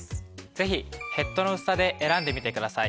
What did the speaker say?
ぜひヘッドの薄さで選んでみてください。